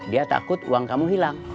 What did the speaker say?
dia takut uang kamu hilang